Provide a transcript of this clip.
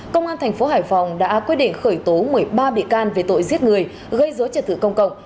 công an thành phố hải phòng đã quyết định khởi tố một mươi ba bị can về tội giết người gây dối trật tự công cộng